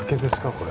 これ。